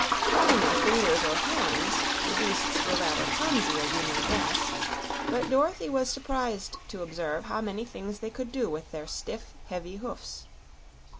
Having no fingers or hands the beasts were rather clumsy, as you may guess; but Dorothy was surprised to observe how many things they could do with their stiff, heavy hoofs.